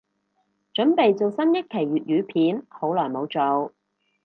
凖備做新一期粤語片，好耐無做